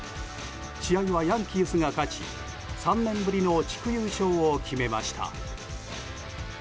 試合はヤンキースが勝ち３年ぶりの地区優勝を決めました。